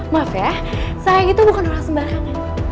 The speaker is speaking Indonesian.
maaf ya saya itu bukan orang sumarang ya